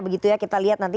begitu ya kita lihat nanti